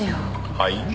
はい？